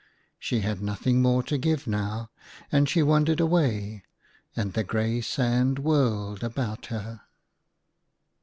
She had nothing more to give now, and she wandered away, and the grey sand whirled about her.